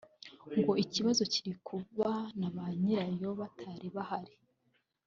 ngo ikibazo kiri ku kuba na ba nyirayo batari bahari